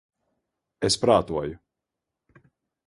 Es prātoju...